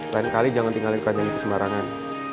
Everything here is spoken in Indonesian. lain kali jangan tinggalin keranjang itu sembarangan